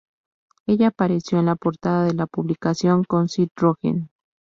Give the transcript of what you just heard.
Ella apareció en la portada de la publicación con Seth Rogen.